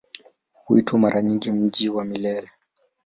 Huitwa mara nyingi "Mji wa Milele".